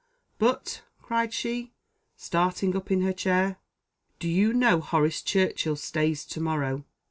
But," cried she, starting up in her chair, "do you know Horace Churchill stays to morrow.